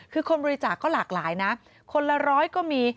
คือคนบริจาคก็หลากหลายนะคนละร้อยก็มี